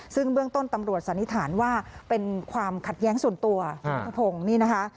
ซึ่งเบื้องต้นตำรวจสันนิษฐานว่าเป็นความขัดแย้งส่วนตัวคุณทะพงศ์นี่นะคะ